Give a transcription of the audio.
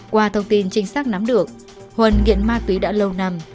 qua thông tin chính xác nắm được huân nghiện ma túy đã lâu năm